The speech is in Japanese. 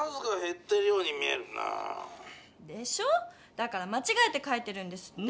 だからまちがえて書いてるんですって。